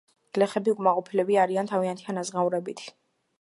გლეხები უკმაყოფილოები არიან თავიანთი ანაზღაურებით.